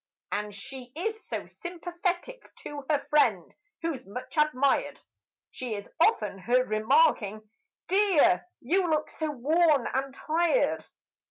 And she is so sympathetic: to a friend, who's much admired, She is often heard remarking, "Dear, you look so worn and tired!"